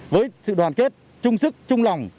với sự đoàn kết trung sức trung lòng